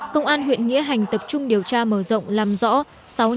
công an huyện nghĩa hành tập trung điều tra mở rộng làm rõ sẽ có thể giúp đỡ bà lai